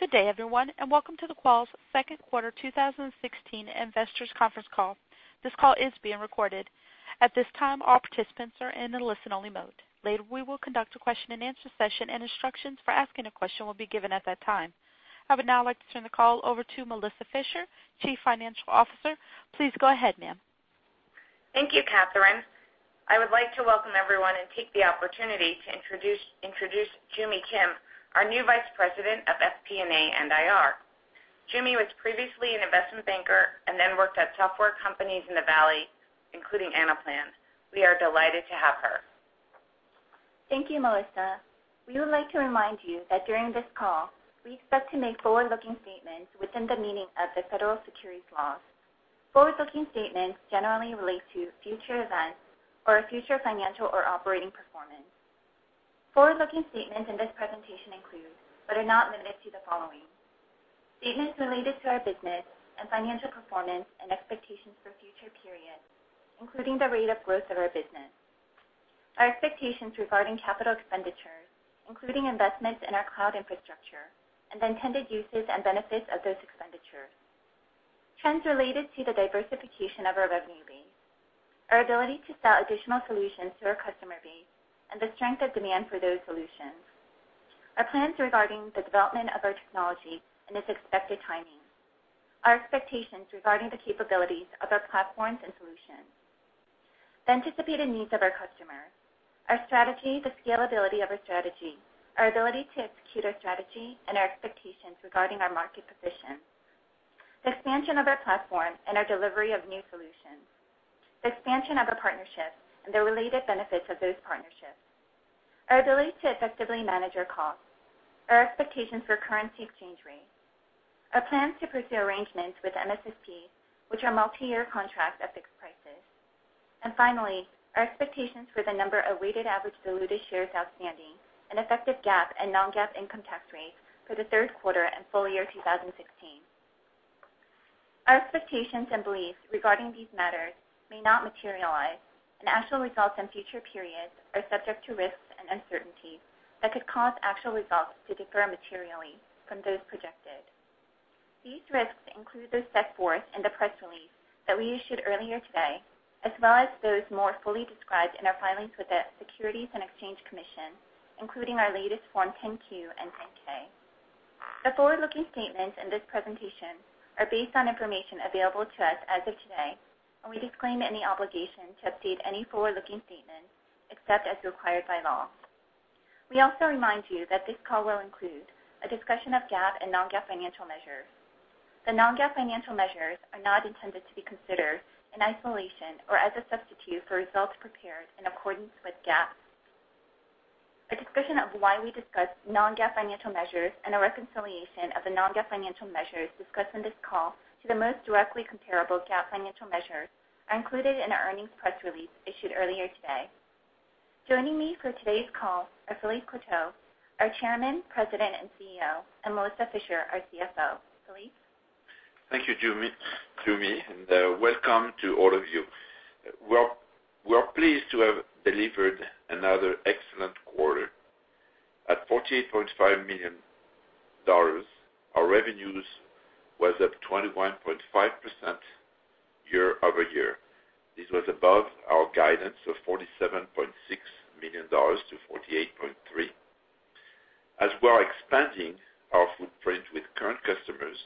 Good day, everyone. Welcome to the Qualys second quarter 2016 investors conference call. This call is being recorded. At this time, all participants are in a listen-only mode. Later, we will conduct a question-and-answer session. Instructions for asking a question will be given at that time. I would now like to turn the call over to Melissa Fisher, Chief Financial Officer. Please go ahead, ma'am. Thank you, Catherine. I would like to welcome everyone and take the opportunity to introduce Joo Mi Kim, our new Vice President of FP&A and IR. Joo Mi was previously an investment banker. Then worked at software companies in the Valley, including Anaplan. We are delighted to have her. Thank you, Melissa. We would like to remind you that during this call, we expect to make forward-looking statements within the meaning of the federal securities laws. Forward-looking statements in this presentation include, are not limited to, the following. Statements related to our business and financial performance and expectations for future periods, including the rate of growth of our business. Our expectations regarding capital expenditures, including investments in our cloud infrastructure and the intended uses and benefits of those expenditures. Trends related to the diversification of our revenue base. Our ability to sell additional solutions to our customer base and the strength of demand for those solutions. Our plans regarding the development of our technology and its expected timing. Our expectations regarding the capabilities of our platforms and solutions. The anticipated needs of our customers, our strategy, the scalability of our strategy, our ability to execute our strategy, and our expectations regarding our market position. The expansion of our platform and our delivery of new solutions. The expansion of our partnerships and the related benefits of those partnerships. Our ability to effectively manage our costs. Our expectations for currency exchange rates. Our plans to pursue arrangements with MSSP, which are multiyear contracts at fixed prices. Finally, our expectations for the number of weighted average diluted shares outstanding and effective GAAP and non-GAAP income tax rates for the third quarter and full year 2016. Our expectations and beliefs regarding these matters may not materialize. Actual results in future periods are subject to risks and uncertainties that could cause actual results to differ materially from those projected. These risks include those set forth in the press release that we issued earlier today, as well as those more fully described in our filings with the Securities and Exchange Commission, including our latest Form 10-Q and 10-K. The forward-looking statements in this presentation are based on information available to us as of today, and we disclaim any obligation to update any forward-looking statements except as required by law. We also remind you that this call will include a discussion of GAAP and non-GAAP financial measures. The non-GAAP financial measures are not intended to be considered in isolation or as a substitute for results prepared in accordance with GAAP. A discussion of why we discuss non-GAAP financial measures and a reconciliation of the non-GAAP financial measures discussed on this call to the most directly comparable GAAP financial measures are included in our earnings press release issued earlier today. Joining me for today's call are Philippe Courtot, our Chairman, President, and CEO, and Melissa Fisher, our CFO. Philippe? Thank you, Joo Mi. Welcome to all of you. We're pleased to have delivered another excellent quarter. At $48.5 million, our revenues was up 21.5% year-over-year. This was above our guidance of $47.6 million-$48.3 million. As we're expanding our footprint with current customers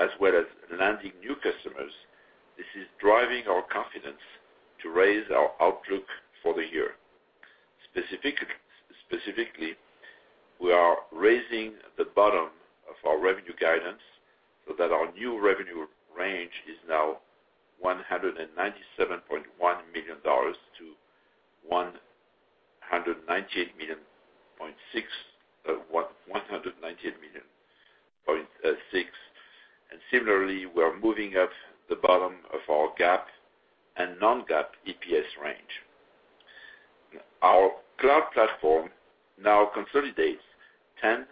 as well as landing new customers, this is driving our confidence to raise our outlook for the year. Specifically, we are raising the bottom of our revenue guidance so that our new revenue range is now $197.1 million-$198.6 million. Similarly, we are moving up the bottom of our GAAP and non-GAAP EPS range. Our cloud platform now consolidates 10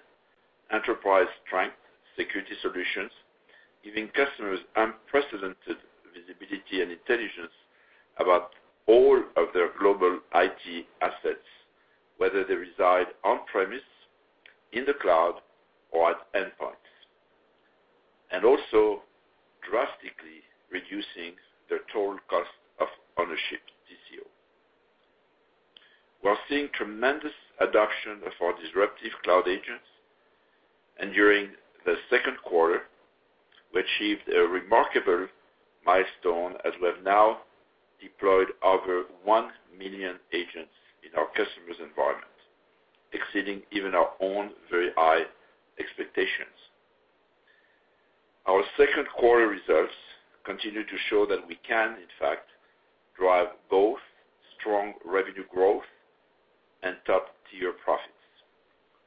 enterprise-strength security solutions, giving customers unprecedented visibility and intelligence about all of their global IT assets, whether they reside on-premise, in the cloud, or at endpoints, and also drastically reducing their total cost of ownership TCO. We're seeing tremendous adoption of our disruptive Cloud Agents, and during the second quarter, we achieved a remarkable milestone as we have now deployed over 1 million agents in our customers' environment, exceeding even our own very high expectations. Our second quarter results continue to show that we can, in fact, drive both strong revenue growth and top-tier profits.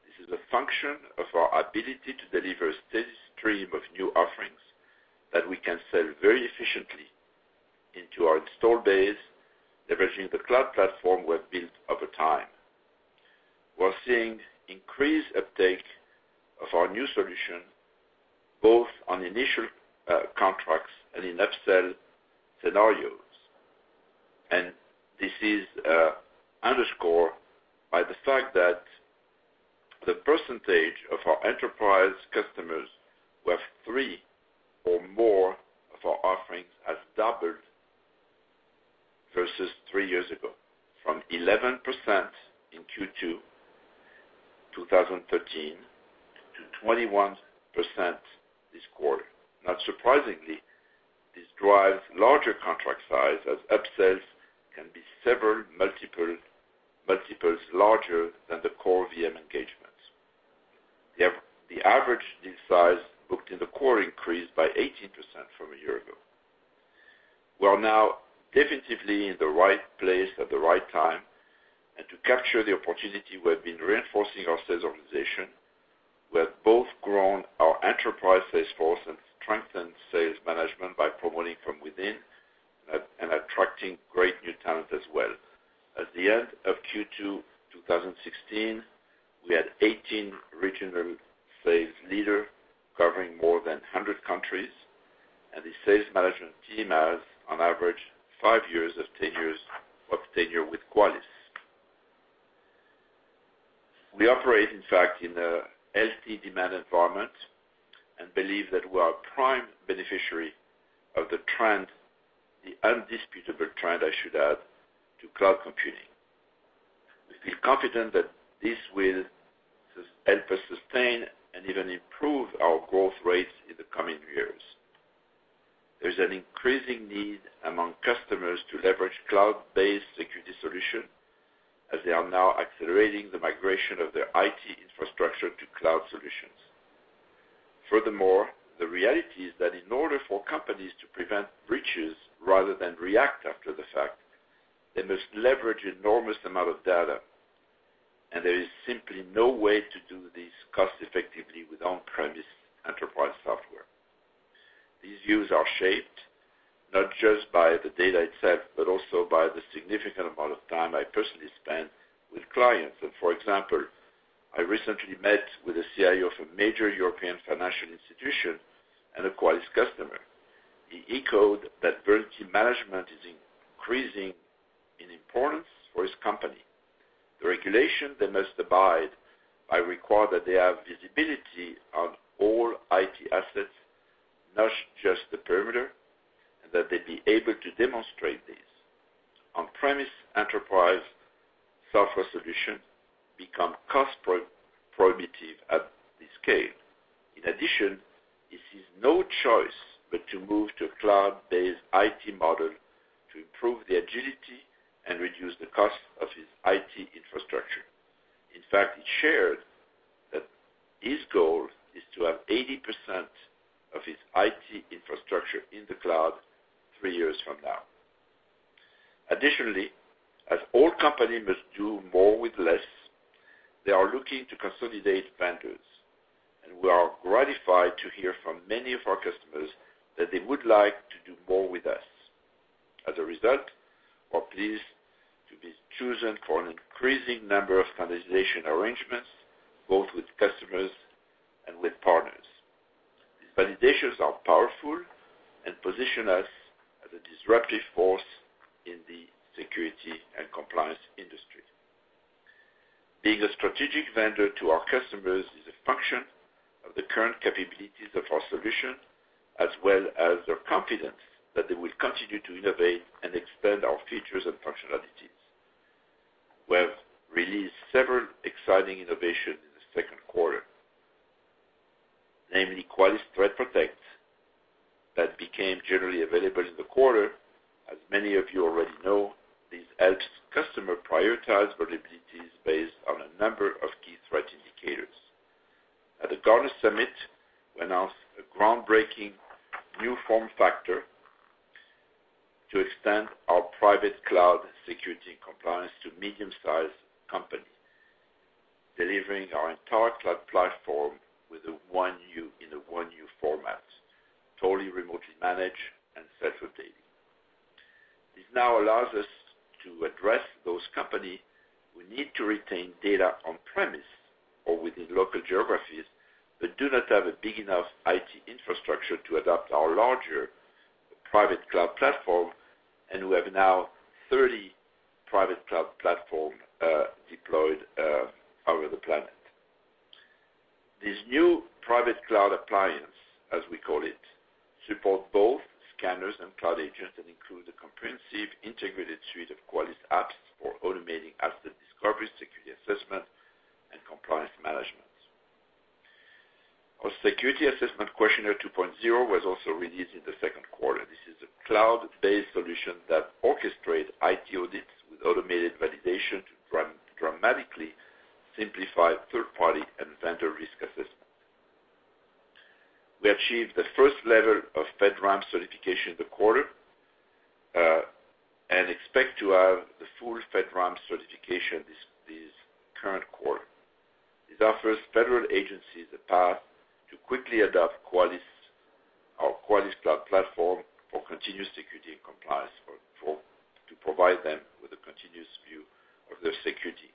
This is a function of our ability to deliver a steady stream of new offerings that we can sell very efficiently into our installed base, leveraging the cloud platform we have built over time. We're seeing increased uptake of our new solution, both on initial contracts and in upsell scenarios. This is underscored by the fact that the percentage of our enterprise customers who have three or more of our offerings has doubled versus three years ago, from 11% in Q2 2013 to 21% this quarter. Not surprisingly, this drives larger contract size as upsells can be several multiples larger than the core VM engagements. The average deal size booked in the quarter increased by 18% from a year ago. We are now definitively in the right place at the right time, and to capture the opportunity, we have been reinforcing our sales organization. We have both grown our enterprise sales force and strengthened sales management by promoting from within and attracting great new talent as well. At the end of Q2 2016, we had 18 regional sales leaders covering more than 100 countries, and the sales management team has on average five years of tenure with Qualys. We operate, in fact, in a healthy demand environment and believe that we are a prime beneficiary of the undisputable trend, I should add, to cloud computing. We feel confident that this will help us sustain and even improve our growth rates in the coming years. There's an increasing need among customers to leverage cloud-based security solutions as they are now accelerating the migration of their IT infrastructure to cloud solutions. The reality is that in order for companies to prevent breaches rather than react after the fact, they must leverage enormous amount of data, and there is simply no way to do this cost-effectively with on-premise enterprise software. These views are shaped not just by the data itself, but also by the significant amount of time I personally spend with clients. I recently met with a CIO of a major European financial institution and a Qualys customer. He echoed that vulnerability management is increasing in importance for his company. The regulation they must abide by require that they have visibility on all IT assets, not just the perimeter, and that they be able to demonstrate this. On-premise enterprise software solutions become cost-prohibitive at this scale. He sees no choice but to move to a cloud-based IT model to improve the agility and reduce the cost of his IT infrastructure. He shared that his goal is to have 80% of his IT infrastructure in the cloud three years from now. As all companies must do more with less, they are looking to consolidate vendors, and we are gratified to hear from many of our customers that they would like to do more with us. We're pleased to be chosen for an increasing number of standardization arrangements, both with customers and with partners. These validations are powerful and position us as a disruptive force in the security and compliance industry. Being a strategic vendor to our customers is a function of the current capabilities of our solution, as well as their confidence that they will continue to innovate and expand our features and functionalities. We have released several exciting innovations in the second quarter, namely Qualys ThreatPROTECT, that became generally available in the quarter. This helps customers prioritize vulnerabilities based on a number of key threat indicators. At the Gartner Summit, we announced a groundbreaking new form factor to extend our private cloud security and compliance to medium-sized companies, delivering our entire cloud platform in a 1U format, totally remotely managed and self-updating. This now allows us to address those companies who need to retain data on-premise or within local geographies, but do not have a big enough IT infrastructure to adopt our larger Private Cloud Platform. We have now 30 Private Cloud Platform deployed over the planet. This new Private Cloud Appliance, as we call it, supports both scanners and Cloud Agents and includes a comprehensive, integrated suite of Qualys apps for automating asset discovery, security assessment, and compliance management. Our Security Assessment Questionnaire 2.0 was also released in the second quarter. This is a cloud-based solution that orchestrates IT audits with automated validation to dramatically simplify third-party and vendor risk assessment. We achieved the first level of FedRAMP certification in the quarter. We expect to have the full FedRAMP certification this current quarter. This offers federal agencies a path to quickly adopt our Qualys Cloud Platform for continuous security and compliance to provide them with a continuous view of their security.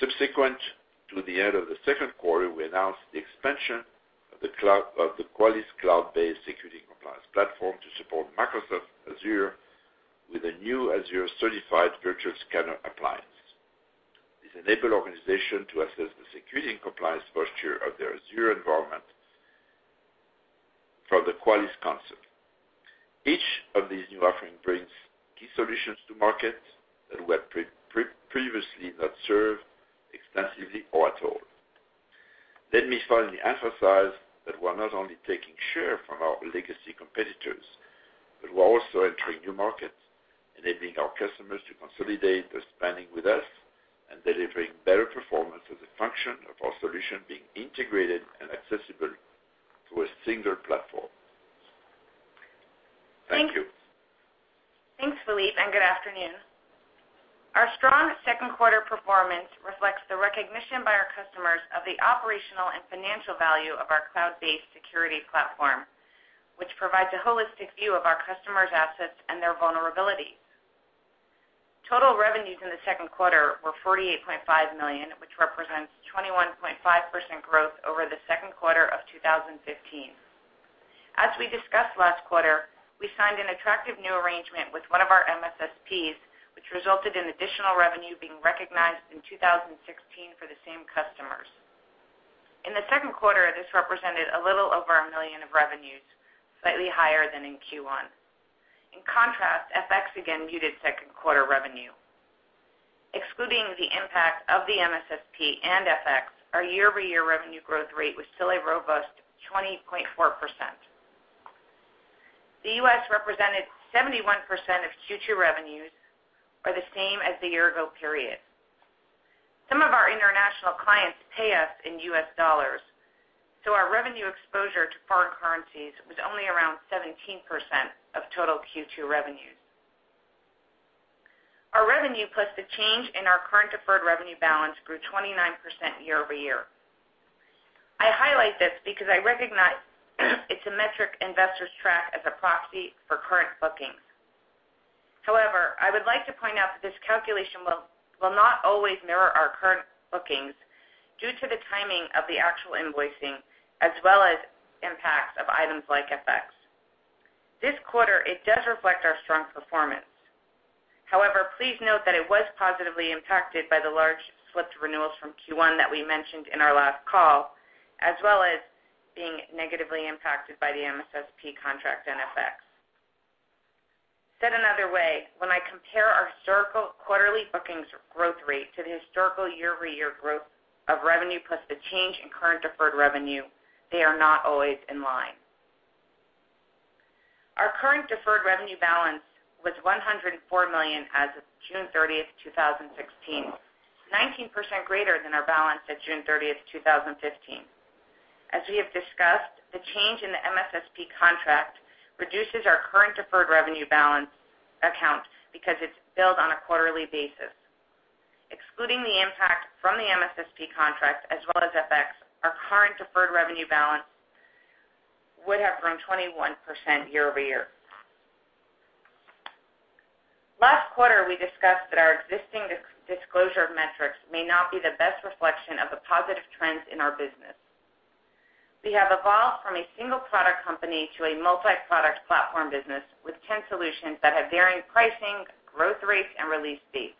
Subsequent to the end of the second quarter, we announced the expansion of the Qualys Cloud-based Security Compliance Platform to support Microsoft Azure with a new Azure-certified virtual scanner appliance. This enables organizations to assess the security and compliance posture of their Azure environment from the Qualys console. Each of these new offerings brings key solutions to market that were previously not served extensively or at all. Let me finally emphasize that we're not only taking share from our legacy competitors, but we're also entering new markets, enabling our customers to consolidate their spending with us and delivering better performance as a function of our solution being integrated and accessible through a single platform. Thank you Thanks, Philippe. Good afternoon. Our strong second quarter performance reflects the recognition by our customers of the operational and financial value of our Cloud-based Security Platform, which provides a holistic view of our customers' assets and their vulnerabilities. Total revenues in the second quarter were $48.5 million, which represents 21.5% growth over the second quarter of 2015. As we discussed last quarter, we signed an attractive new arrangement with one of our MSSPs, which resulted in additional revenue being recognized in 2016 for the same customers. In the second quarter, this represented a little over $1 million of revenues, slightly higher than in Q1. In contrast, FX again muted second quarter revenue. Excluding the impact of the MSSP and FX, our year-over-year revenue growth rate was still a robust 20.4%. The U.S. represented 71% of Q2 revenues or the same as the year ago period. Some of our international clients pay us in U.S. dollars. Our revenue exposure to foreign currencies was only around 17% of total Q2 revenues. Our revenue plus the change in our current deferred revenue balance grew 29% year-over-year. I highlight this because I recognize it's a metric investors track as a proxy for current bookings. However, I would like to point out that this calculation will not always mirror our current bookings due to the timing of the actual invoicing as well as impacts of items like FX. This quarter, it does reflect our strong performance. However, please note that it was positively impacted by the large slipped renewals from Q1 that we mentioned in our last call, as well as being negatively impacted by the MSSP contract and FX. Said another way, when I compare our historical quarterly bookings growth rate to the historical year-over-year growth of revenue plus the change in current deferred revenue, they are not always in line. Our current deferred revenue balance was $104 million as of June 30th, 2016, 19% greater than our balance at June 30th, 2015. As we have discussed, the change in the MSSP contract reduces our current deferred revenue balance account because it's billed on a quarterly basis. Excluding the impact from the MSSP contract as well as FX, our current deferred revenue balance would have grown 21% year-over-year. Last quarter, we discussed that our existing disclosure of metrics may not be the best reflection of the positive trends in our business. We have evolved from a single-product company to a multi-product platform business with 10 solutions that have varying pricing, growth rates, and release dates.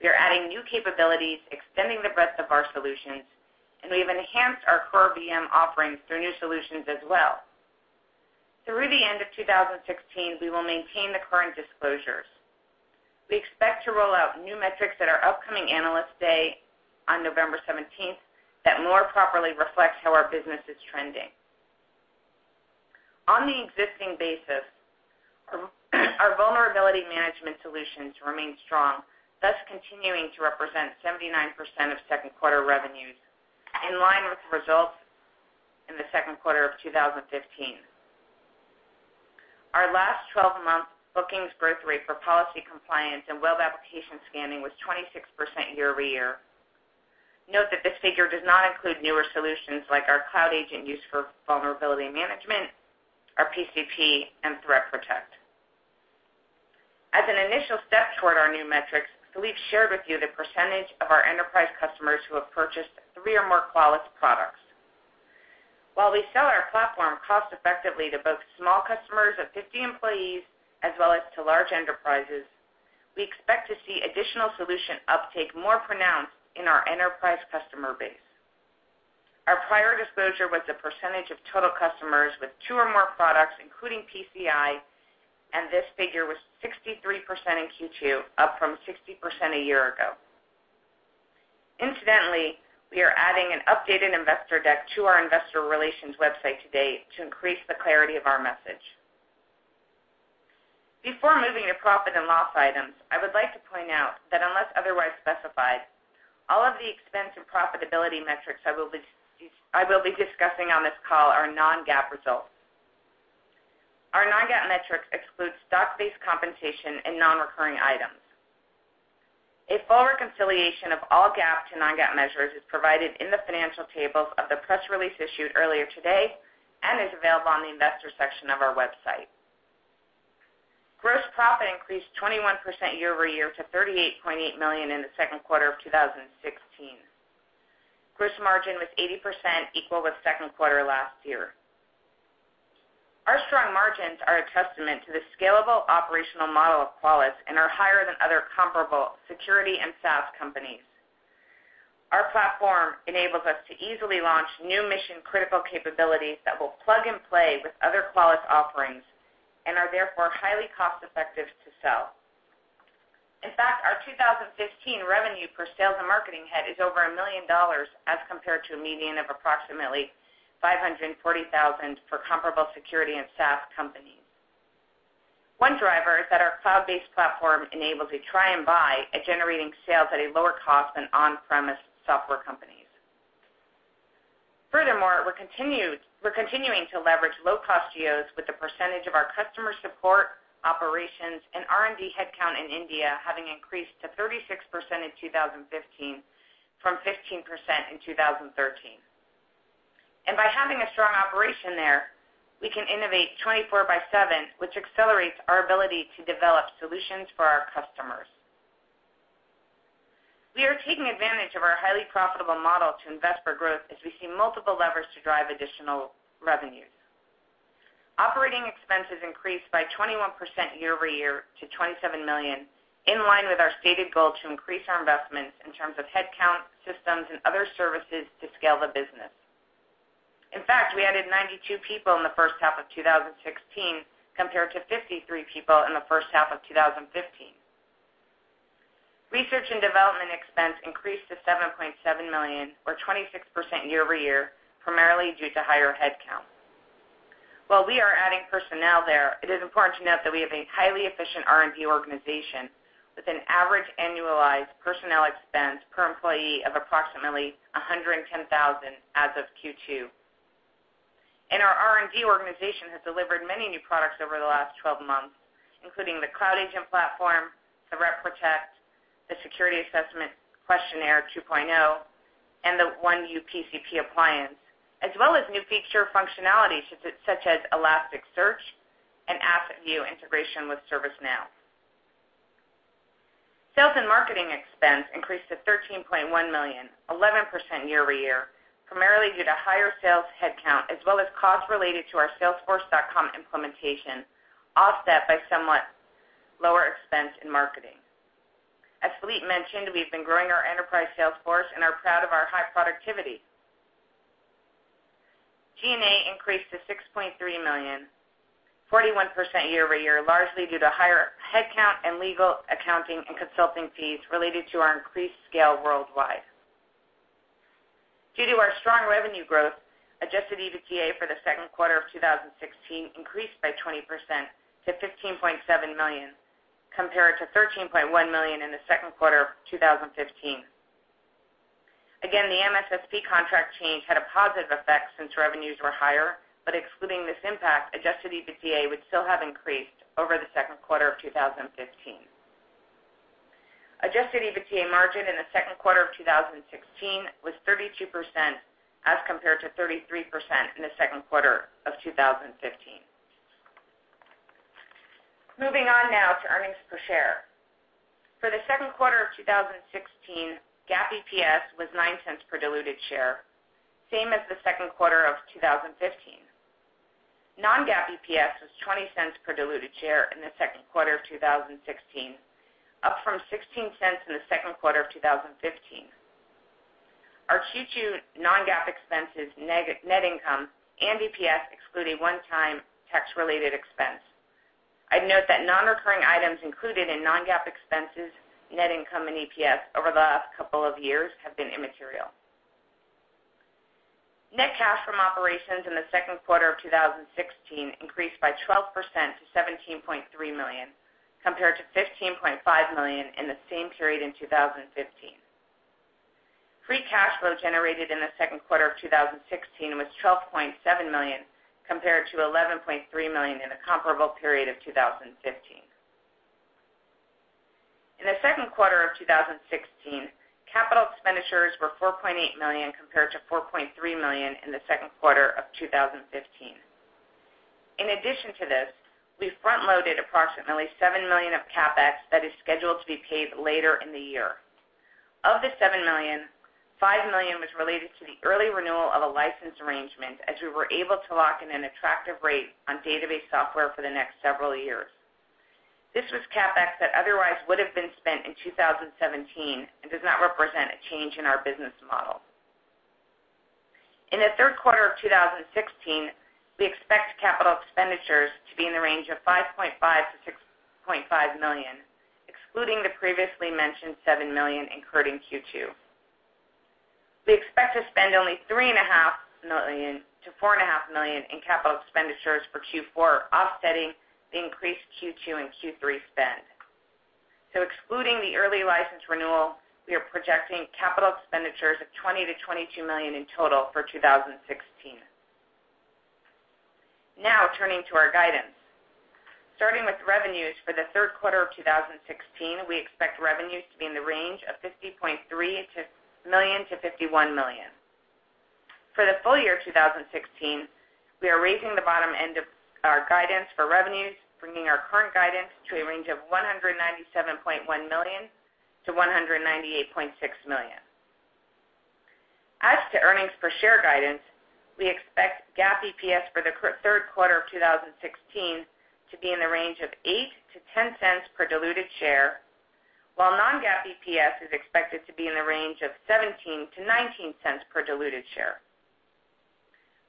We are adding new capabilities, extending the breadth of our solutions. We have enhanced our core VM offerings through new solutions as well. Through the end of 2016, we will maintain the current disclosures. We expect to roll out new metrics at our upcoming Analyst Day on November 17th that more properly reflects how our business is trending. On the existing basis, our vulnerability management solutions remain strong, thus continuing to represent 79% of second quarter revenues, in line with the results in the second quarter of 2015. Our last 12 months bookings growth rate for policy compliance and web application scanning was 26% year-over-year. Note that this figure does not include newer solutions like our Cloud Agent used for vulnerability management, our PCP, and ThreatPROTECT. As an initial step toward our new metrics, Philippe shared with you the percentage of our enterprise customers who have purchased three or more Qualys products. While we sell our platform cost-effectively to both small customers of 50 employees as well as to large enterprises, we expect to see additional solution uptake more pronounced in our enterprise customer base. Our prior disclosure was the percentage of total customers with two or more products, including PCI. This figure was 63% in Q2, up from 60% a year ago. Incidentally, we are adding an updated investor deck to our investor relations website today to increase the clarity of our message. Before moving to profit and loss items, I would like to point out that unless otherwise specified, all of the expense and profitability metrics I will be discussing on this call are non-GAAP results. Our non-GAAP metrics exclude stock-based compensation and non-recurring items. A full reconciliation of all GAAP to non-GAAP measures is provided in the financial tables of the press release issued earlier today and is available on the investor section of our website. Gross profit increased 21% year-over-year to $38.8 million in the second quarter of 2016. Gross margin was 80%, equal with second quarter last year. Our strong margins are a testament to the scalable operational model of Qualys and are higher than other comparable security and SaaS companies. Our platform enables us to easily launch new mission-critical capabilities that will plug and play with other Qualys offerings and are therefore highly cost-effective to sell. In fact, our 2015 revenue per sales and marketing head is over $1 million as compared to a median of approximately $540,000 for comparable security and SaaS companies. One driver is that our cloud-based platform enables a try and buy at generating sales at a lower cost than on-premise software companies. We're continuing to leverage low-cost geos with a percentage of our customer support, operations, and R&D headcount in India having increased to 36% in 2015 from 15% in 2013. By having a strong operation there, we can innovate 24 by seven, which accelerates our ability to develop solutions for our customers. We are taking advantage of our highly profitable model to invest for growth as we see multiple levers to drive additional revenues. Operating expenses increased by 21% year-over-year to $27 million, in line with our stated goal to increase our investments in terms of headcount, systems, and other services to scale the business. We added 92 people in the first half of 2016, compared to 53 people in the first half of 2015. Research and development expense increased to $7.7 million or 26% year-over-year, primarily due to higher headcount. While we are adding personnel there, it is important to note that we have a highly efficient R&D organization with an average annualized personnel expense per employee of approximately $110,000 as of Q2. Our R&D organization has delivered many new products over the last 12 months, including the Cloud Agent platform, the ThreatPROTECT, the Security Assessment Questionnaire 2.0, and the 1U PCP appliance, as well as new feature functionality such as Elasticsearch and AssetView integration with ServiceNow. Sales and marketing expense increased to $13.1 million, 11% year-over-year, primarily due to higher sales headcount, as well as costs related to our salesforce.com implementation, offset by somewhat lower expense in marketing. As Philippe mentioned, we've been growing our enterprise sales force and are proud of our high productivity. G&A increased to $6.3 million, 41% year-over-year, largely due to higher headcount and legal, accounting, and consulting fees related to our increased scale worldwide. Due to our strong revenue growth, adjusted EBITDA for the second quarter of 2016 increased by 20% to $15.7 million, compared to $13.1 million in the second quarter of 2015. The MSSP contract change had a positive effect since revenues were higher, but excluding this impact, adjusted EBITDA would still have increased over the second quarter of 2015. Adjusted EBITDA margin in the second quarter of 2016 was 32% as compared to 33% in the second quarter of 2015. Moving on now to earnings per share. For the second quarter of 2016, GAAP EPS was $0.09 per diluted share, same as the second quarter of 2015. Non-GAAP EPS was $0.20 per diluted share in the second quarter of 2016, up from $0.16 in the second quarter of 2015. Our Q2 non-GAAP expenses, net income and EPS exclude a one-time tax-related expense. I'd note that non-recurring items included in non-GAAP expenses, net income and EPS over the last couple of years have been immaterial. Net cash from operations in the second quarter of 2016 increased by 12% to $17.3 million, compared to $15.5 million in the same period in 2015. Free cash flow generated in the second quarter of 2016 was $12.7 million, compared to $11.3 million in the comparable period of 2015. In the second quarter of 2016, capital expenditures were $4.8 million, compared to $4.3 million in the second quarter of 2015. In addition to this, we front-loaded approximately $7 million of CapEx that is scheduled to be paid later in the year. Of the $7 million, $5 million was related to the early renewal of a license arrangement as we were able to lock in an attractive rate on database software for the next several years. This was CapEx that otherwise would have been spent in 2017 and does not represent a change in our business model. In the third quarter of 2016, we expect capital expenditures to be in the range of $5.5 million-$6.5 million, excluding the previously mentioned $7 million incurred in Q2. We expect to spend only three and a half million to four and a half million in capital expenditures for Q4, offsetting the increased Q2 and Q3 spend. Excluding the early license renewal, we are projecting capital expenditures of $20 million-$22 million in total for 2016. Turning to our guidance. Starting with revenues for the third quarter of 2016, we expect revenues to be in the range of $50.3 million-$51 million. For the full year 2016, we are raising the bottom end of our guidance for revenues, bringing our current guidance to a range of $197.1 million-$198.6 million. As to earnings per share guidance, we expect GAAP EPS for the third quarter of 2016 to be in the range of $0.08-$0.10 per diluted share, while non-GAAP EPS is expected to be in the range of $0.17-$0.19 per diluted share.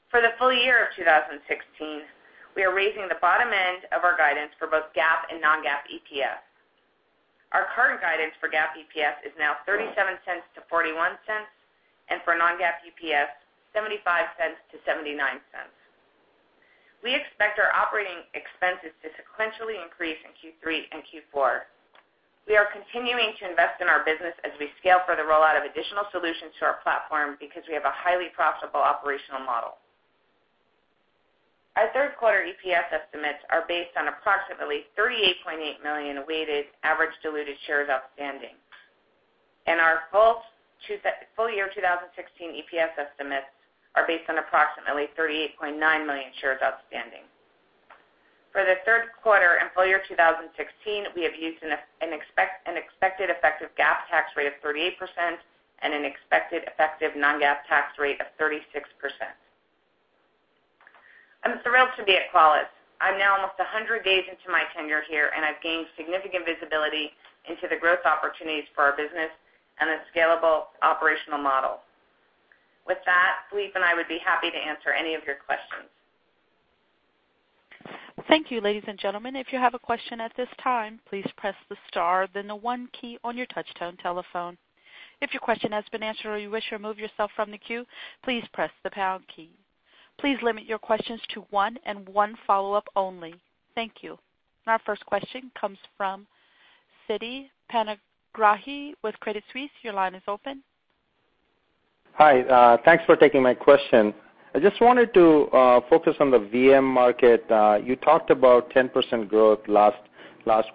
For the full year of 2016, we are raising the bottom end of our guidance for both GAAP and non-GAAP EPS. Our current guidance for GAAP EPS is now $0.37-$0.41, and for non-GAAP EPS, $0.75-$0.79. We expect our operating expenses to sequentially increase in Q3 and Q4. We are continuing to invest in our business as we scale for the rollout of additional solutions to our platform because we have a highly profitable operational model. Our third quarter EPS estimates are based on approximately 38.8 million weighted average diluted shares outstanding. Our full year 2016 EPS estimates are based on approximately 38.9 million shares outstanding. For the third quarter and full year 2016, we have used an expected effective GAAP tax rate of 38% and an expected effective non-GAAP tax rate of 36%. I'm thrilled to be at Qualys. I'm now almost 100 days into my tenure here, and I've gained significant visibility into the growth opportunities for our business and a scalable operational model. With that, Philippe and I would be happy to answer any of your questions. Thank you, ladies and gentlemen. If you have a question at this time, please press the star, then the one key on your touch-tone telephone. If your question has been answered or you wish to remove yourself from the queue, please press the pound key. Please limit your questions to one and one follow-up only. Thank you. Our first question comes from Sidd Panigrahi with Credit Suisse. Your line is open. Hi. Thanks for taking my question. I just wanted to focus on the VM market. You talked about 10% growth last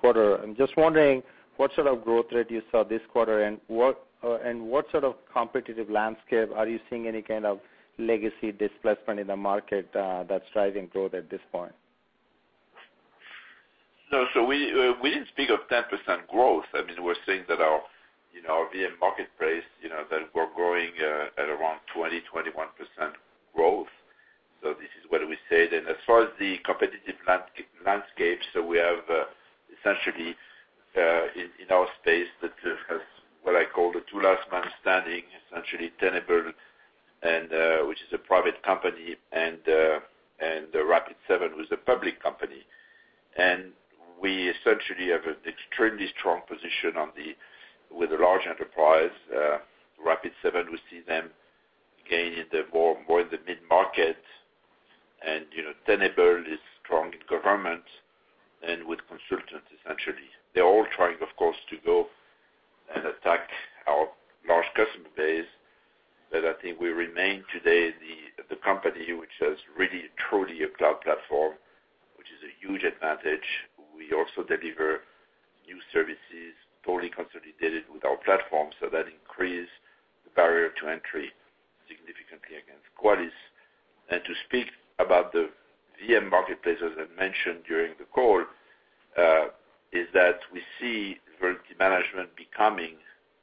quarter. I'm just wondering what sort of growth rate you saw this quarter and what sort of competitive landscape. Are you seeing any kind of legacy displacement in the market that's driving growth at this point? No. We didn't speak of 10% growth. We're saying that our VM marketplace that we're growing at around 20%, 21% growth. This is what we said. As far as the competitive landscape, we have essentially in our space that has what I call the two last man standing, essentially Tenable, which is a private company, and Rapid7, who's a public company. We essentially have an extremely strong position with a large enterprise. Rapid7, we see them gaining more in the mid-market. Tenable is strong in government and with consultants, essentially. They're all trying, of course, to go and attack our large customer base. I think we remain today the company which has really, truly a cloud platform, which is a huge advantage. We also deliver new services totally consolidated with our platform, that increase the barrier to entry significantly against Qualys. To speak about the VM marketplace, as I mentioned during the call, is that we see vulnerability management becoming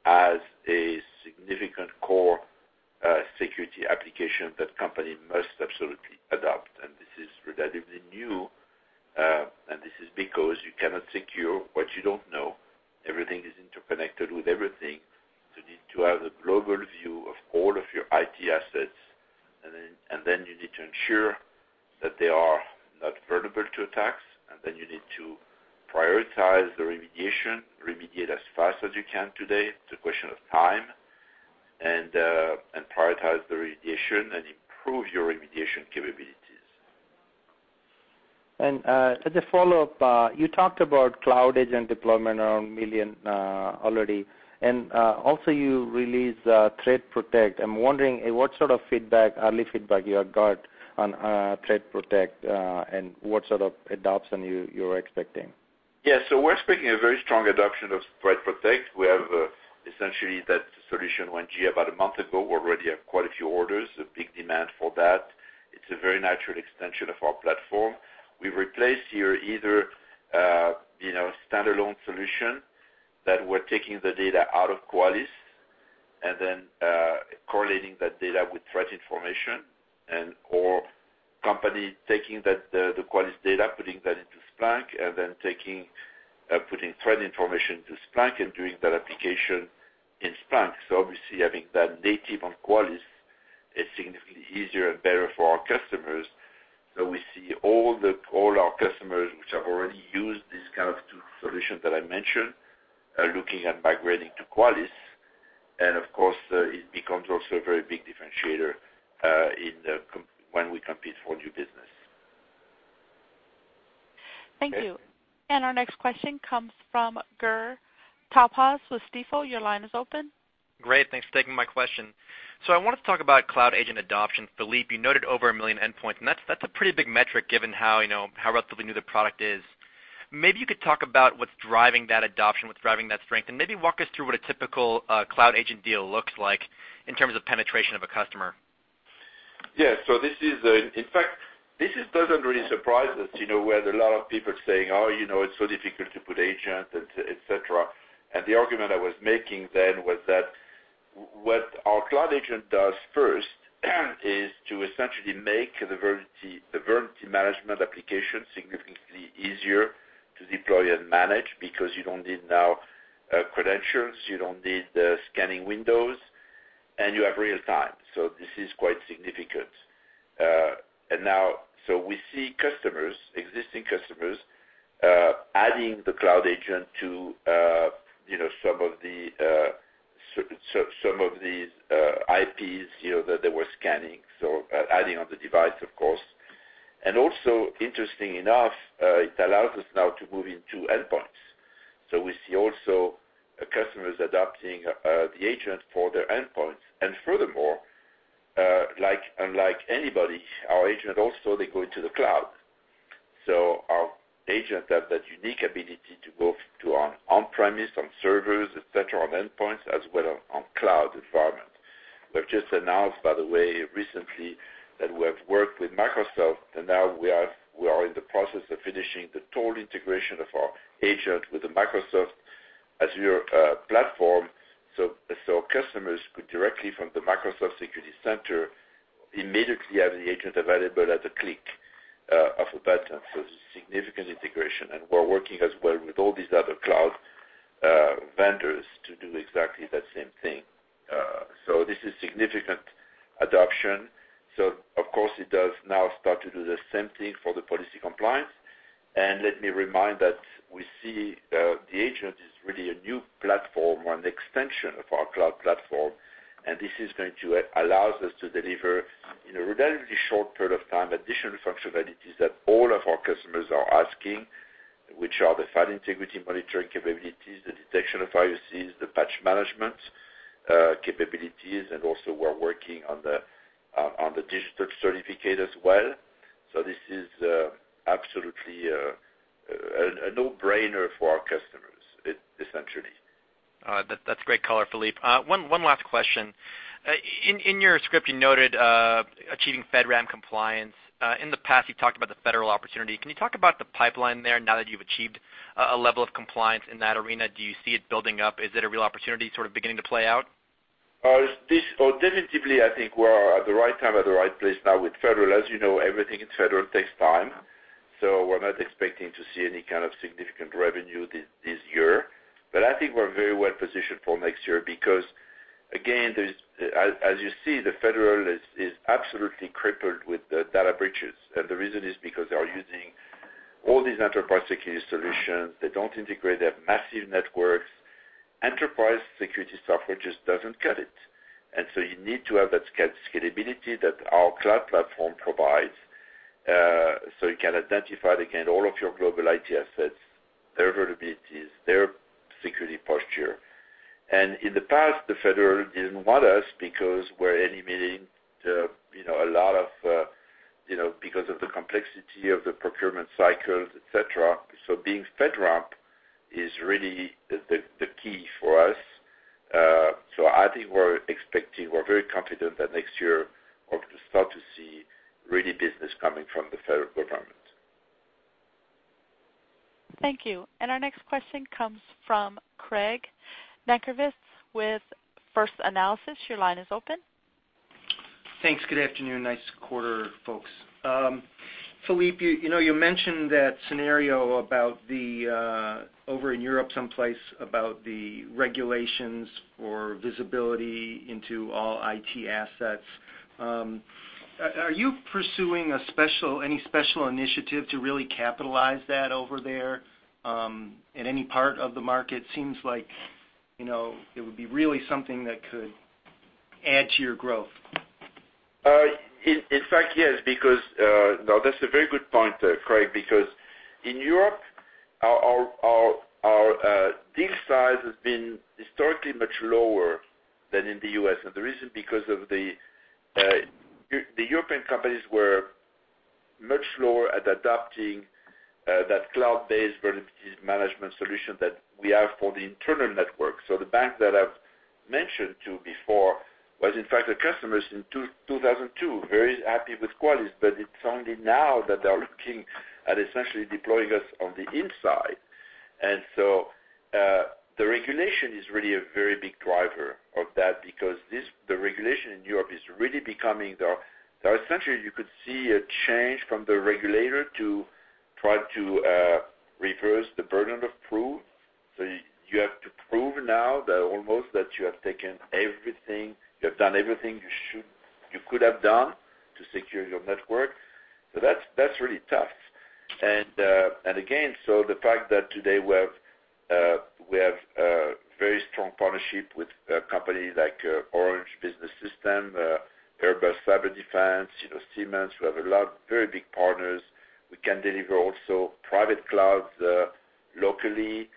as a significant core security application that company must absolutely adopt. This is relatively new, this is because you cannot secure what you don't know. Everything is interconnected with everything. You need to have a global view of all of your IT assets, then you need to ensure that they are not vulnerable to attacks, then you need to prioritize the remediation, remediate as fast as you can today. It's a question of time. Prioritize the remediation and improve your remediation capabilities. As a follow-up, you talked about Cloud Agent deployment around 1 million already, you also released ThreatPROTECT. I'm wondering what sort of early feedback you have got on ThreatPROTECT and what sort of adoption you're expecting. Yeah. We're expecting a very strong adoption of ThreatPROTECT. We have essentially that solution went GA about a month ago. We already have quite a few orders, a big demand for that. It's a very natural extension of our platform. We replace here either standalone solution that we're taking the data out of Qualys and then correlating that data with threat information and/or company taking the Qualys data, putting that into Splunk, and then putting threat information into Splunk and doing that application in Splunk. Obviously having that native on Qualys is significantly easier and better for our customers. We see all our customers which have already used these kind of two solutions that I mentioned are looking at migrating to Qualys. Of course, it becomes also a very big differentiator when we compete for new business. Thank you. Our next question comes from Gur Talpaz with Stifel. Your line is open. Great. Thanks for taking my question. I wanted to talk about Cloud Agent adoption. Philippe, you noted over 1 million endpoints, and that's a pretty big metric given how relatively new the product is. Maybe you could talk about what's driving that adoption, what's driving that strength, and maybe walk us through what a typical Cloud Agent deal looks like in terms of penetration of a customer. Yes. In fact, this doesn't really surprise us, where there are a lot of people saying, "Oh, it's so difficult to put agent," et cetera. The argument I was making then was that what our Cloud Agent does first is to essentially make the vulnerability management application significantly easier to deploy and manage because you don't need credentials now, you don't need scanning windows, and you have real time. This is quite significant. We see existing customers adding the Cloud Agent to some of these IPs that they were scanning, so adding on the device, of course. Also, interestingly enough, it allows us now to move into endpoints. We see also customers adopting the agent for their endpoints. Furthermore, unlike anybody, our agent also, they go into the cloud. Our agent has that unique ability to go to on-premise, on servers, et cetera, on endpoints, as well as on cloud environment. We have just announced, by the way, recently that we have worked with Microsoft, and now we are in the process of finishing the total integration of our agent with the Microsoft Azure platform, so customers could directly from the Microsoft Security Center immediately have the agent available at a click of a button. It's a significant integration, and we're working as well with all these other cloud vendors to do exactly that same thing. This is significant adoption. Of course, it does now start to do the same thing for the policy compliance. Let me remind that we see the agent is really a new platform or an extension of our cloud platform, and this is going to allow us to deliver, in a relatively short period of time, additional functionalities that all of our customers are asking, which are the file integrity monitoring capabilities, the detection of IOCs, the patch management capabilities, and also we're working on the digital certificate as well. This is absolutely a no-brainer for our customers, essentially. That's great color, Philippe. One last question. In your script, you noted achieving FedRAMP compliance. In the past, you talked about the federal opportunity. Can you talk about the pipeline there now that you've achieved a level of compliance in that arena? Do you see it building up? Is it a real opportunity sort of beginning to play out? Definitively, I think we're at the right time, at the right place now with Federal. As you know, everything in Federal takes time. We're not expecting to see any kind of significant revenue this year. I think we're very well positioned for next year because, again, as you see, the Federal is absolutely crippled with data breaches. The reason is because they are using all these enterprise security solutions. They don't integrate their massive networks. Enterprise security software just doesn't cut it. You need to have that scalability that our cloud platform provides, so you can identify, again, all of your global IT assets, their vulnerabilities, their security posture. In the past, the Federal didn't want us because we're eliminating a lot of because of the complexity of the procurement cycles, et cetera. Being FedRAMP is really the key for us. I think we're very confident that next year, hope to start to see really business coming from the Federal government. Thank you. Our next question comes from Craig Nankervis with First Analysis. Your line is open. Thanks. Good afternoon. Nice quarter, folks. Philippe, you mentioned that scenario over in Europe someplace about the regulations or visibility into all IT assets. Are you pursuing any special initiative to really capitalize that over there in any part of the market? Seems like it would be really something that could add to your growth. That's a very good point there, Craig Nankervis, because in Europe, our deal size has been historically much lower than in the U.S. The reason, because the European companies were much slower at adopting that cloud-based vulnerability management solution that we have for the internal network. The bank that I've mentioned to you before was, in fact, a customer since 2002, very happy with Qualys, but it's only now that they're looking at essentially deploying us on the inside. The regulation is really a very big driver of that because the regulation in Europe is really becoming you could see a change from the regulator to try to reverse the burden of proof. You have to prove now that you have taken everything, you have done everything you could have done to secure your network. That's really tough. The fact that today we have a very strong partnership with companies like Orange Business Services, Airbus CyberSecurity, Siemens, we have a lot of very big partners. We can deliver also private clouds locally.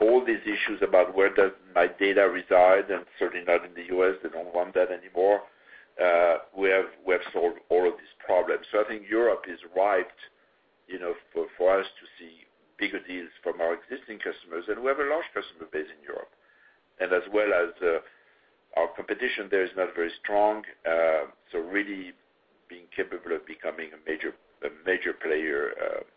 All these issues about where does my data reside, and certainly not in the U.S., they don't want that anymore. We have solved all of these problems. I think Europe is ripe for us to see bigger deals from our existing customers, and we have a large customer base in Europe. As well as our competition there is not very strong. Really being capable of becoming a major player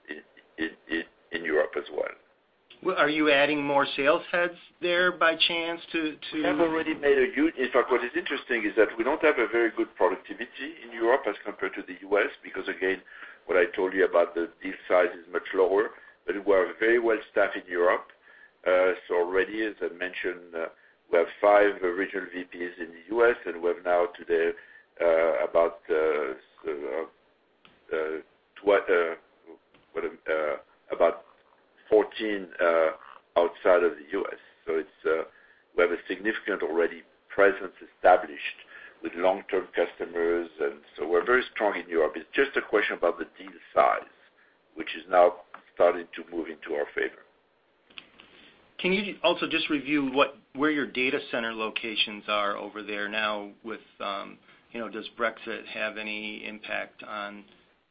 in Europe as well. Are you adding more sales heads there by chance to- We have already made a huge. In fact, what is interesting is that we don't have a very good productivity in Europe as compared to the U.S. because, again, what I told you about the deal size is much lower, but we are very well staffed in Europe. Already, as I mentioned, we have five regional VPs in the U.S., and we have now today about 14 outside of the U.S. We have a significant already presence established with long-term customers, we're very strong in Europe. It's just a question about the deal size, which is now starting to move into our favor. Can you also just review where your data center locations are over there now with, does Brexit have any impact on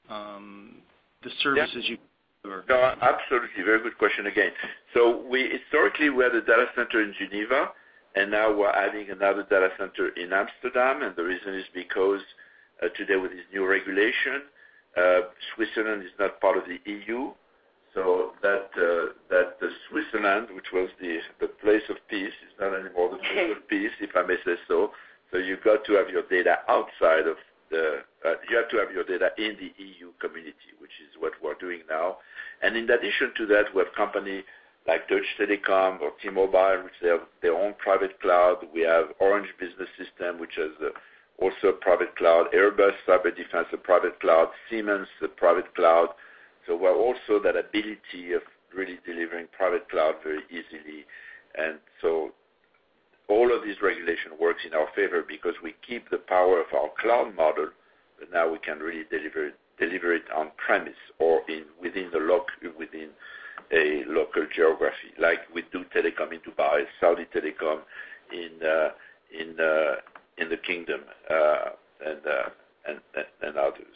the services you offer? No, absolutely. Very good question again. Historically, we had a data center in Geneva, and now we're adding another data center in Amsterdam, and the reason is because, today with this new regulation, Switzerland is not part of the EU. That the Switzerland, which was the place of peace, is not anymore the place of peace, if I may say so. You've got to have your data in the EU community, which is what we're doing now. In addition to that, we have company like Deutsche Telekom or T-Mobile, which they have their own private cloud. We have Orange Business Services, which has also a private cloud, Airbus CyberSecurity, a private cloud, Siemens, a private cloud. We're also that ability of really delivering private cloud very easily. All of these regulation works in our favor because we keep the power of our cloud model, but now we can really deliver it on premise or within a local geography, like we do Telekom in Dubai, Saudi Telecom in the kingdom, and others.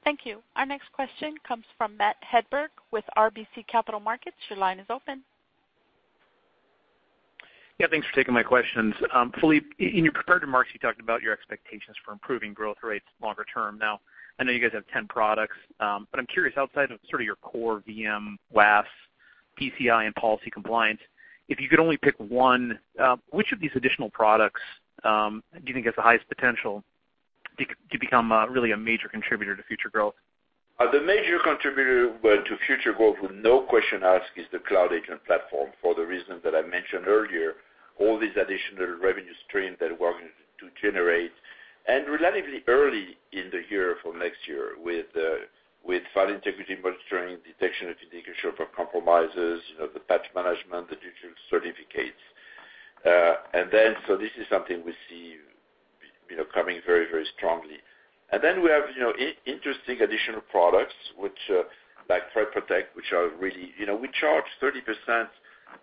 Okay. Thank you. Our next question comes from Matt Hedberg with RBC Capital Markets. Your line is open. Thanks for taking my questions. Philippe, in your prepared remarks, you talked about your expectations for improving growth rates longer term. I know you guys have 10 products, but I'm curious, outside of sort of your core VM, WAF, PCI, and policy compliance, if you could only pick one, which of these additional products do you think has the highest potential to become really a major contributor to future growth? The major contributor to future growth with no question asked is the Cloud Agent platform for the reasons that I mentioned earlier, all these additional revenue streams that we're going to generate. Relatively early in the year for next year with file integrity monitoring, detection of indication of compromises, the patch management, the digital certificates. This is something we see coming very strongly. We have interesting additional products like ThreatPROTECT, which are really, we charge 30%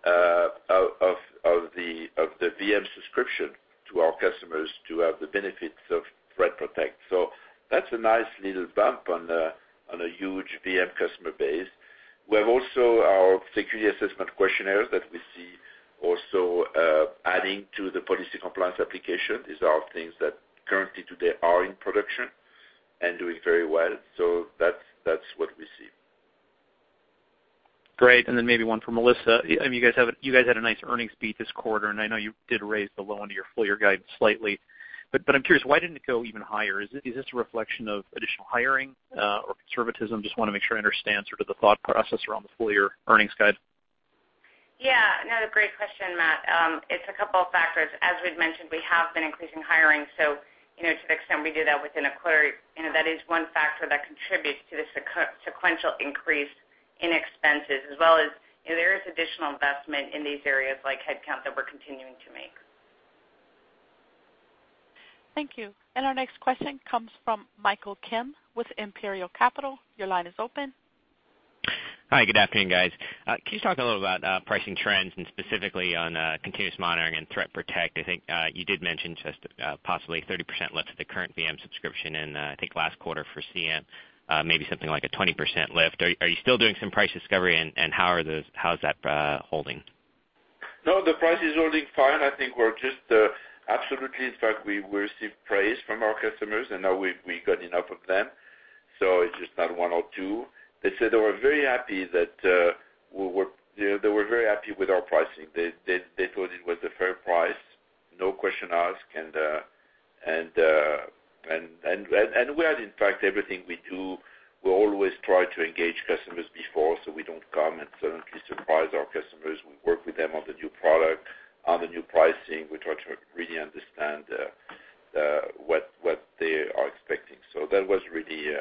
of the VM subscription to our customers to have the benefits of ThreatPROTECT. That's a nice little bump on a huge VM customer base. We have also our Security Assessment Questionnaires that we see also adding to the policy compliance application. These are things that currently today are in production and doing very well. That's what we see. Great. Maybe one for Melissa. You guys had a nice earnings beat this quarter, and I know you did raise the low end of your full-year guide slightly, but I'm curious why didn't it go even higher? Is this a reflection of additional hiring or conservatism? Just want to make sure I understand sort of the thought process around the full-year earnings guide. Yeah. No, great question, Matt. It's a couple of factors. As we've mentioned, we have been increasing hiring, so to the extent we do that within a quarter, that is one factor that contributes to the sequential increase in expenses as well as there is additional investment in these areas like headcount that we're continuing to make. Thank you. Our next question comes from Michael Kim with Imperial Capital. Your line is open. Hi, good afternoon, guys. Can you just talk a little about pricing trends and specifically on continuous monitoring and ThreatPROTECT? I think you did mention just possibly 30% lift of the current VM subscription and I think last quarter for CM, maybe something like a 20% lift. Are you still doing some price discovery and how is that holding? No, the price is holding fine. I think we're just absolutely, in fact, we received praise from our customers, now we got enough of them, so it's just not one or two. They said they were very happy with our pricing. They thought it was a fair price, no question asked. We had, in fact, everything we do, we always try to engage customers before, so we don't come and suddenly surprise our customers. We work with them on the new product, on the new pricing. We try to really understand what they are expecting. That was really,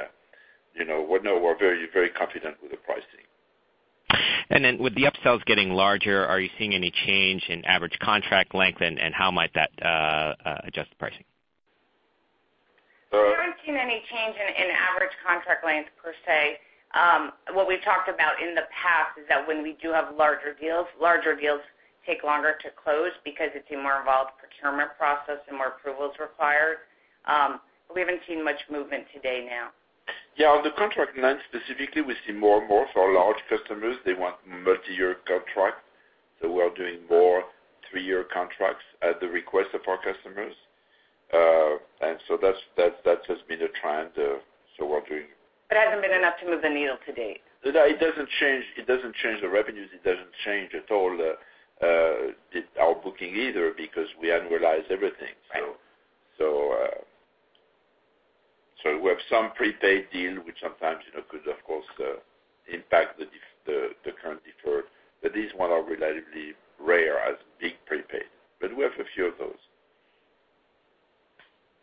we're very confident with the pricing. With the upsells getting larger, are you seeing any change in average contract length and how might that adjust the pricing? We haven't seen any change in average contract length per se. What we've talked about in the past is that when we do have larger deals, larger deals take longer to close because it's a more involved procurement process and more approvals required. We haven't seen much movement today now. On the contract length specifically, we see more and more for large customers, they want multi-year contract. We are doing more three-year contracts at the request of our customers. That has been a trend, we're doing. It hasn't been enough to move the needle to date. It doesn't change the revenues. It doesn't change at all our booking either, because we annualize everything. Right. We have some prepaid deal, which sometimes could, of course, impact the current deferred. These one are relatively rare as being prepaid. We have a few of those.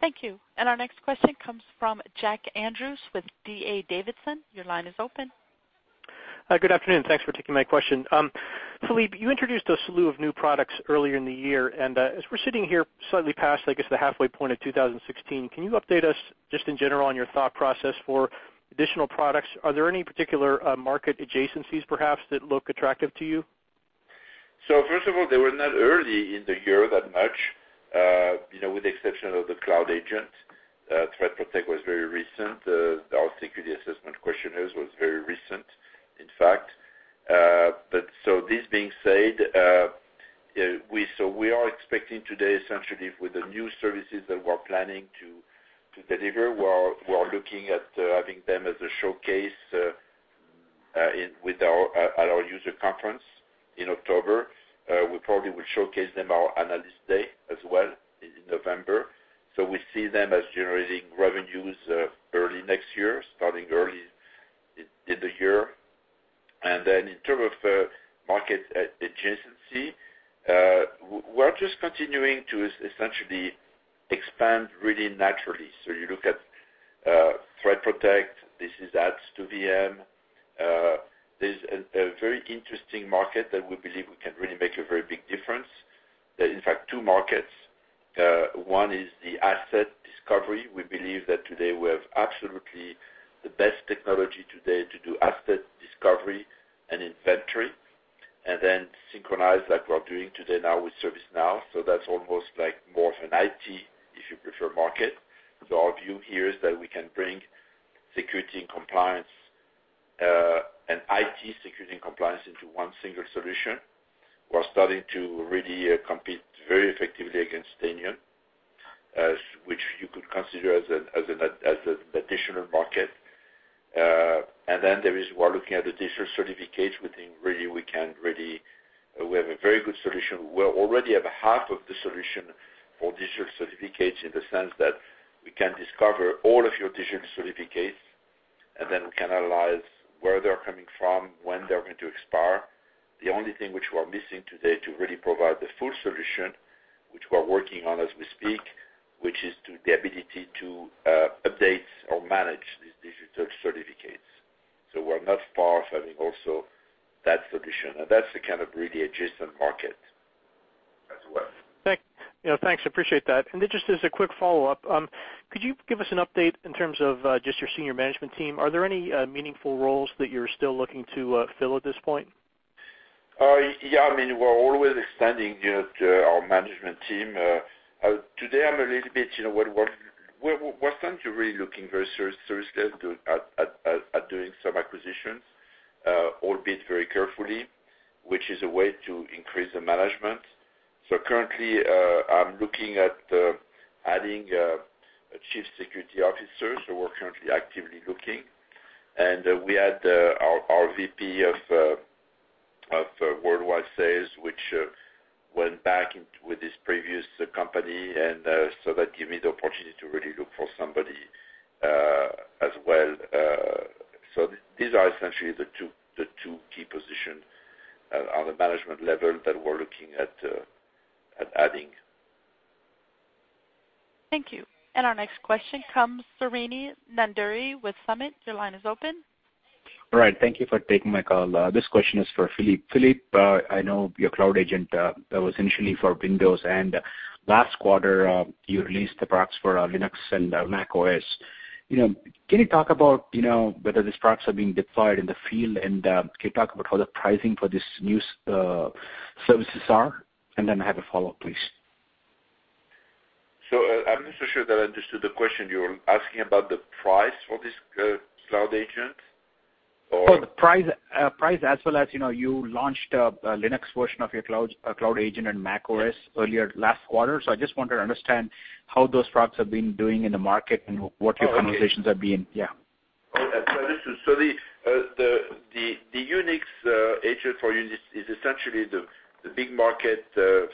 Thank you. Our next question comes from Jack Andrews with D.A. Davidson. Your line is open. Hi, good afternoon. Thanks for taking my question. Philippe, you introduced a slew of new products earlier in the year, as we're sitting here slightly past, I guess, the halfway point of 2016, can you update us just in general on your thought process for additional products? Are there any particular market adjacencies, perhaps, that look attractive to you? First of all, they were not early in the year that much, with the exception of the Cloud Agent. ThreatPROTECT was very recent. Our security assessment questionnaires was very recent, in fact. This being said, we are expecting today, essentially with the new services that we're planning to deliver, we're looking at having them as a showcase at our user conference in October. We probably will showcase them our Analyst Day as well in November. We see them as generating revenues early next year, starting early in the year. In term of market adjacency, we're just continuing to essentially expand really naturally. You look at ThreatPROTECT, this is adds to VM. There's a very interesting market that we believe we can really make a very big difference. In fact, two markets. One is the asset discovery. We believe that today we have absolutely the best technology today to do asset discovery and inventory, then synchronize like we're doing today now with ServiceNow. That's almost like more of an IT, if you prefer, market. Our view here is that we can bring security and compliance and IT security and compliance into one single solution. We're starting to really compete very effectively against Tanium, which you could consider as an additional market. There is we're looking at the digital certificates. We think we have a very good solution. We already have half of the solution for digital certificates in the sense that we can discover all of your digital certificates, then we can analyze where they're coming from, when they're going to expire. The only thing which we're missing today to really provide the full solution, which we're working on as we speak, which is the ability to update or manage these digital certificates. We're not far from having also that solution. That's the kind of really adjacent market as well. Thanks. I appreciate that. Just as a quick follow-up, could you give us an update in terms of just your senior management team? Are there any meaningful roles that you're still looking to fill at this point? Yeah, we're always expanding our management team. We're starting to really looking very seriously at doing some acquisitions, albeit very carefully, which is a way to increase the management. Currently, I'm looking at adding a Chief Security Officer. We're currently actively looking. We had our VP of worldwide sales, which went back with his previous company, and so that give me the opportunity to really look for somebody as well. These are essentially the two key position on the management level that we're looking at adding. Thank you. Our next question comes Srini Nandury with Summit. Your line is open. Right. Thank you for taking my call. This question is for Philippe. Philippe, I know your Cloud Agent that was initially for Windows, and last quarter, you released the products for Linux and macOS. Can you talk about whether these products are being deployed in the field, and can you talk about how the pricing for these new services are? Then I have a follow-up, please. I'm not so sure that I understood the question. You're asking about the price for this Cloud Agent? For the price as well as you launched a Linux version of your Cloud Agent and macOS earlier last quarter. I just wanted to understand how those products have been doing in the market and what your conversations have been. Yeah. Okay. The Unix agent for Unix is essentially the big market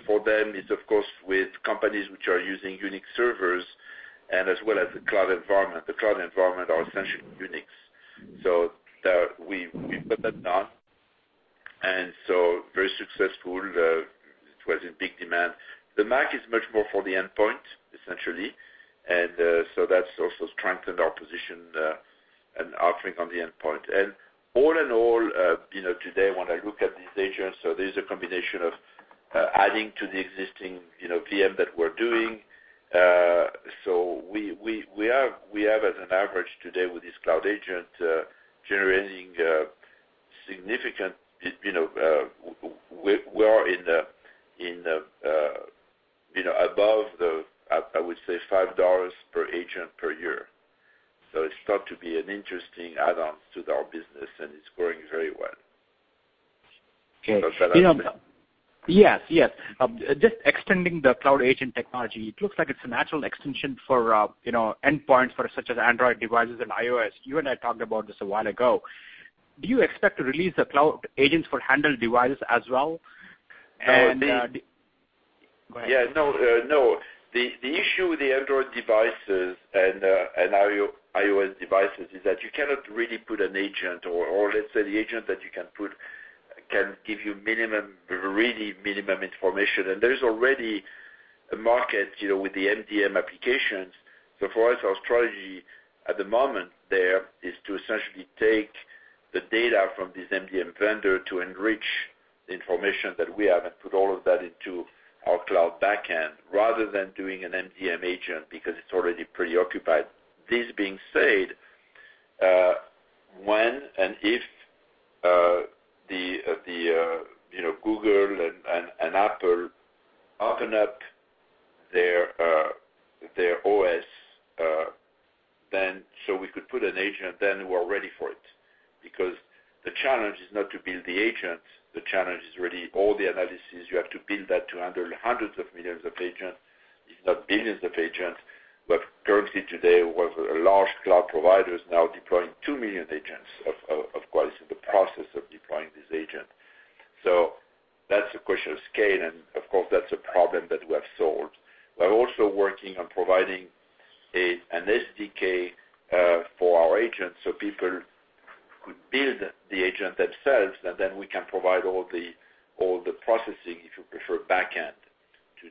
for them is of course with companies which are using Unix servers as well as the cloud environment. The cloud environment are essentially Unix. We put that down. Very successful. It was in big demand. The Mac is much more for the endpoint, essentially. That's also strengthened our position and offering on the endpoint. All in all, today when I look at these agents, so there's a combination of adding to the existing VM that we're doing. We have as an average today with this Cloud Agent, We are in a above the, I would say, $5 per agent per year. It's got to be an interesting add-on to our business, and it's growing very well. Okay. Does that answer? Yes. Just extending the Cloud Agent technology, it looks like it's a natural extension for endpoints for such as Android devices and iOS. You and I talked about this a while ago. Do you expect to release the Cloud Agents for handheld devices as well? No. Go ahead. Yeah. No. The issue with the Android devices and iOS devices is that you cannot really put an agent, or let's say the agent that you can put can give you minimum, really minimum information. There's already a market with the MDM applications. For us, our strategy at the moment there is to essentially take the data from this MDM vendor to enrich the information that we have and put all of that into our cloud backend, rather than doing an MDM agent because it's already preoccupied. This being said, when and if Google and Apple open up their OS, we could put an agent, then we're ready for it. The challenge is not to build the agent. The challenge is really all the analysis. You have to build that to hundreds of millions of agents, if not billions of agents. Currently today, one of the large cloud providers now deploying 2 million agents, of Qualys in the process of deploying this agent. That's a question of scale, and of course, that's a problem that we have solved. We're also working on providing an SDK for our agents so people could build the agent themselves, then we can provide all the processing, if you prefer, backend to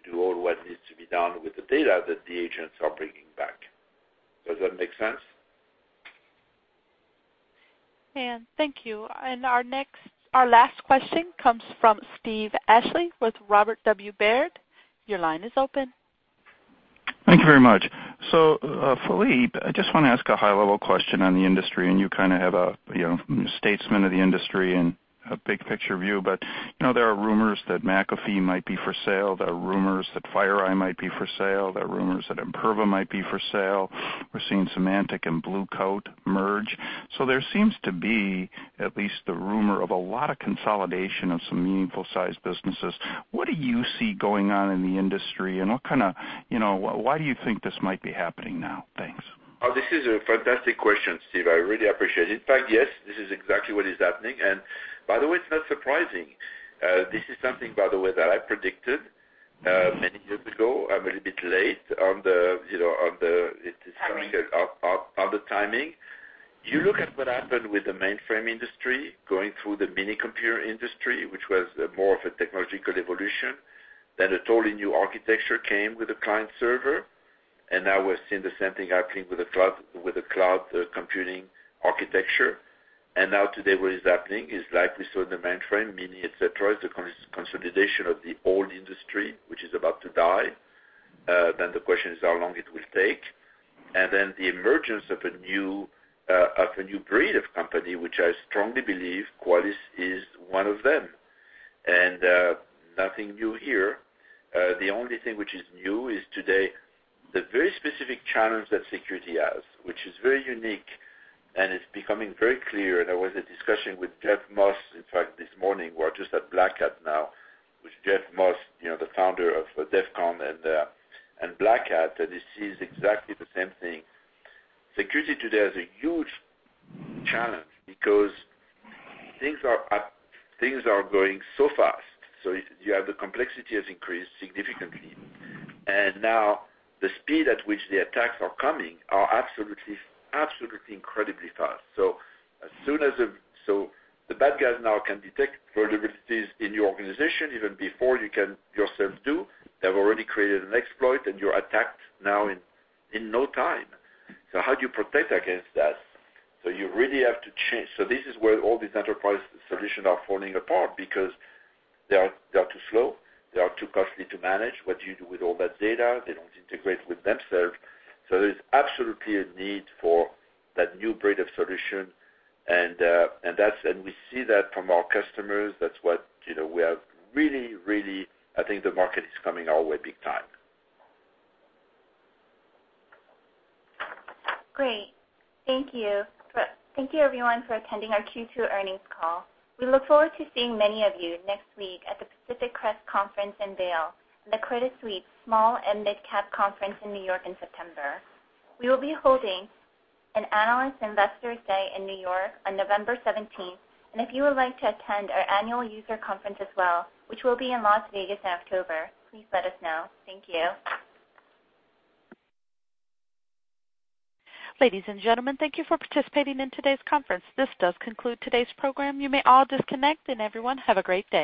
do all what needs to be done with the data that the agents are bringing back. Does that make sense? Ma'am, thank you. Our last question comes from Steve Ashley with Robert W. Baird. Your line is open. Thank you very much. Philippe, I just want to ask a high-level question on the industry, and you kind of have a statesman of the industry and a big-picture view. There are rumors that McAfee might be for sale. There are rumors that FireEye might be for sale. There are rumors that Imperva might be for sale. We're seeing Symantec and Blue Coat merge. There seems to be at least the rumor of a lot of consolidation of some meaningful-sized businesses. What do you see going on in the industry, and why do you think this might be happening now? Thanks. This is a fantastic question, Steve. I really appreciate it. In fact, yes, this is exactly what is happening. By the way, it's not surprising. This is something, by the way, that I predicted many years ago. I'm a little bit late. Timing on the timing. You look at what happened with the mainframe industry, going through the mini computer industry, which was more of a technological evolution, a totally new architecture came with the client server, now we're seeing the same thing happening with the cloud computing architecture. Today what is happening is like we saw in the mainframe, mini, et cetera, is the consolidation of the old industry, which is about to die. The question is how long it will take. The emergence of a new breed of company, which I strongly believe Qualys is one of them. Nothing new here. The only thing which is new is today, the very specific challenge that security has, which is very unique and it's becoming very clear. There was a discussion with Jeff Moss, in fact, this morning. We're just at Black Hat now, with Jeff Moss, the founder of DEF CON and Black Hat, that this is exactly the same thing. Security today is a huge challenge because things are going so fast. You have the complexity has increased significantly. The speed at which the attacks are coming are absolutely incredibly fast. The bad guys now can detect vulnerabilities in your organization even before you can yourself do. They've already created an exploit, and you're attacked now in no time. How do you protect against that? You really have to change. This is where all these enterprise solutions are falling apart because they are too slow. They are too costly to manage. What do you do with all that data? They don't integrate with themselves. There's absolutely a need for that new breed of solution, and we see that from our customers. I think the market is coming our way big time. Great. Thank you. Thank you everyone for attending our Q2 earnings call. We look forward to seeing many of you next week at the Pacific Crest conference in Vail and the Credit Suisse Small and Mid Cap conference in New York in September. We will be holding an analyst investor day in New York on November 17th, and if you would like to attend our annual user conference as well, which will be in Las Vegas in October, please let us know. Thank you. Ladies and gentlemen, thank you for participating in today's conference. This does conclude today's program. You may all disconnect, and everyone, have a great day.